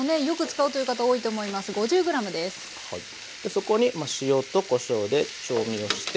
そこに塩とこしょうで調味をして。